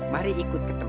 mari ikut ke rumah